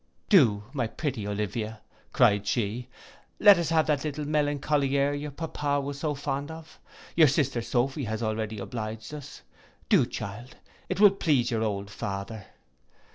'Do, my pretty Olivia,' cried she, 'let us have that little melancholy air your pappa was so fond of, your sister Sophy has already obliged us. Do child, it will please your old father.